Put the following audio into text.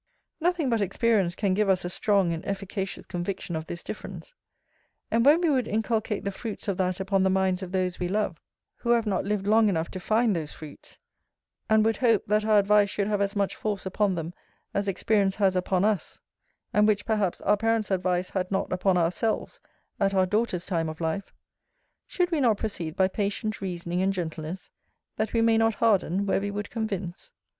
Nothing but experience can give us a strong and efficacious conviction of this difference: and when we would inculcate the fruits of that upon the minds of those we love, who have not lived long enough to find those fruits; and would hope, that our advice should have as much force upon them, as experience has upon us; and which, perhaps, our parents' advice had not upon ourselves, at our daughter' time of life; should we not proceed by patient reasoning and gentleness, that we may not harden, where we would convince?